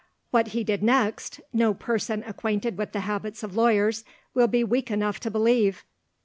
What he did next, no person acquainted with the habits of lawyers will be weak enough to believe.